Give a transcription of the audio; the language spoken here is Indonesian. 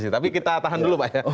tapi kita tahan dulu pak ya